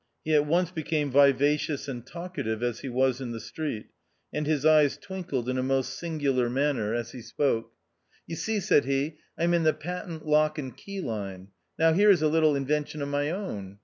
He at once became vivacious and talkative as he was in the street, and his eyes twinkled in a most singular manner as 2o 4 THE OUTCAST. he spoke. " You see," said he, " I'm in the patent lock and key line. Now, here is a little inwention of my own."